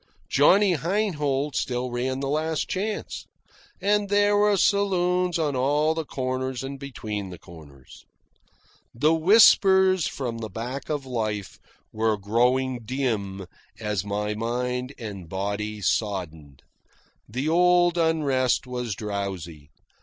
Johnny Heinhold still ran the Last Chance. And there were saloons on all the corners and between the corners. The whispers from the back of life were growing dim as my mind and body soddened. The old unrest was drowsy.